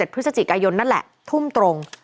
พฤศจิกายนนั่นแหละทุ่มตรง